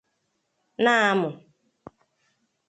na-amụ